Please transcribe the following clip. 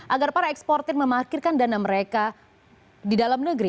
agar para eksportir memarkirkan dana mereka di dalam negeri